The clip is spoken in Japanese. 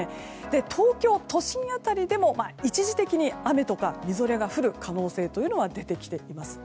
東京都心辺りでも一時的に雨とかみぞれが降る可能性というのが出てきています。